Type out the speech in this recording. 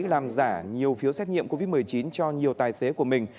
làm giả nhiều phiếu xét nghiệm covid một mươi chín cho nhiều tài xế của mình